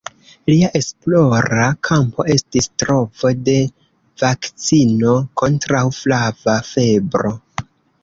Lia esplora kampo estis trovo de vakcino kontraŭ flava febro.